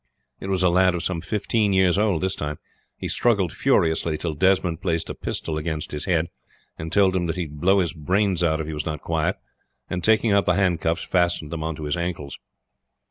It was a lad of some fifteen years old this time. He struggled furiously till Desmond placed a pistol against his head, and told him that he would blow his brains out if he was not quiet, and taking out the handcuffs fastened them on to his ankles.